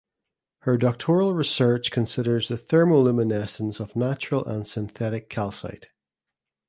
Her doctoral research considers the thermoluminescence of natural and synthetic calcite.